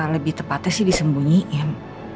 lebih tepatnya sih disembunyiin